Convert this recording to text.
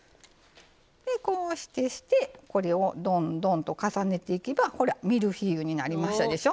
でこうしてこれをどんどんと重ねていけばほらミルフィーユになりましたでしょ。